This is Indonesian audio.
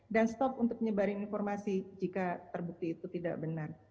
dan stop untuk nyebarin informasi jika terbukti itu tidak benar